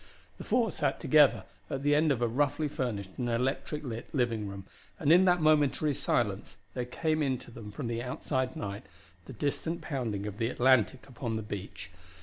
The four sat together at the end of a roughly furnished and electric lit living room, and in that momentary silence there came in to them from the outside night the distant pounding of the Atlantic upon the beach.